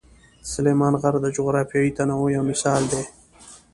سلیمان غر د جغرافیوي تنوع یو مثال دی.